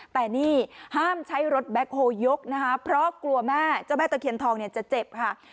แต่นี่ห้ามใช้รถแบ็คโฮลยกนะคะเพราะกลัวแม่เจ้าแม่ตะเคียนทองเนี่ยจะเจ็บค่ะ